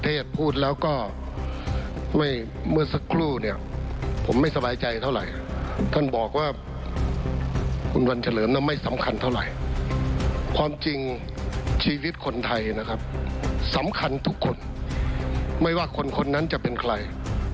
ตามคำถามรัฐมนตรีข้อมูลและมูลต่อแคร์